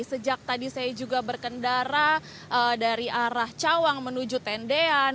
sejak tadi saya juga berkendara dari arah cawang menuju tendean